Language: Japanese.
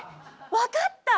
わかった？